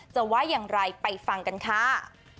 ว่าอย่างไรไปฟังกันค่ะ